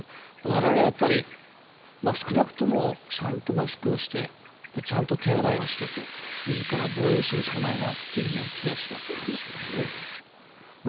我々はやっぱり少なくとも、ちゃんとマスクをしてちゃんと手洗いをして、みずから防衛するしかない気がします